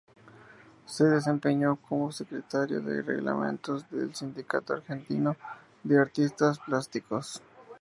Se desempeñó como Secretario de Reglamentos del Sindicato Argentino de Artistas Plásticos.